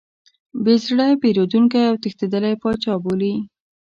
بې زړه، بېرندوکی او تښتېدلی پاچا بولي.